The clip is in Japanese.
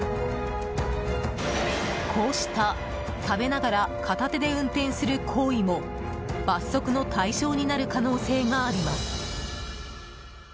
こうした、食べながら片手で運転する行為も罰則の対象になる可能性があります。